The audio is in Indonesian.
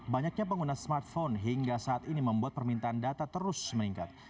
banyaknya pengguna smartphone hingga saat ini membuat permintaan data terus meningkat